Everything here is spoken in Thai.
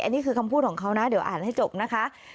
อันนี้คือคำพูดของเขานะเดี๋ยวอ่านให้จบนะคะ